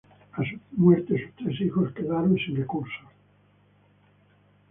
A su muerte, sus tres hijos quedaron sin recursos.